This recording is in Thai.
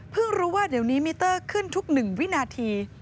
รู้ว่าเดี๋ยวนี้มิเตอร์ขึ้นทุก๑วินาที